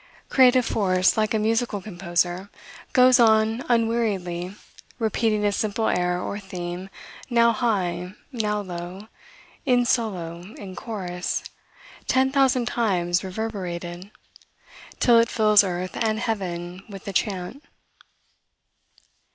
Creative force, like a musical composer, goes on unweariedly repeating a simple air or theme now high, now low, in solo, in chorus, ten thousand times reverberated, till it fills earth and heaven with the chant.